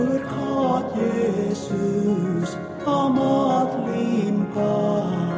berkat yesus amat limpah